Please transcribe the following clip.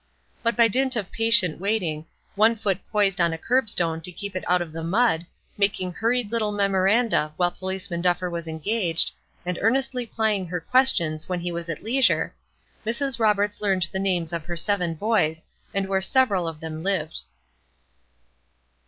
But by dint of patient waiting, one foot poised on a curbstone to keep it out of the mud, making hurried little memoranda while Policeman Duffer was engaged, and earnestly plying her questions when he was at leisure, Mrs. Roberts learned the names of her seven boys, and where several of them lived.